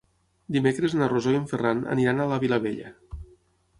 Dimecres na Rosó i en Ferran aniran a la Vilavella.